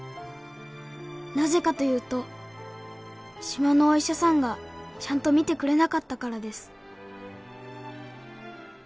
なぜかというと島のお医者さんがちゃんと診てくれなかったからです」